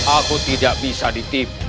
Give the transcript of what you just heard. aku tidak bisa ditipu